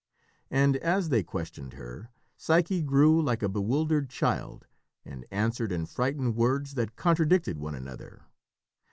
And as they questioned her, Psyche grew like a bewildered child and answered in frightened words that contradicted one another.